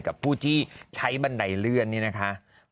กับผู้ที่ใช้บันไดเลื่อนนี่นะคะ